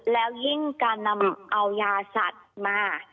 แล้วยิ่งการนำเอายาสัตว์มา